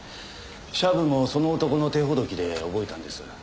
シャブもその男の手ほどきで覚えたんです。